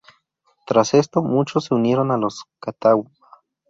Tras esto, muchos se unieron a los catawba.